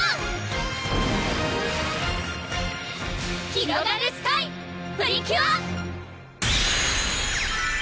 ひろがるスカイ！プリキュア！